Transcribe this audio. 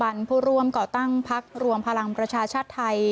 วันผู้ร่วมก่อตั้งพักรวมพลังประชาชาติไทย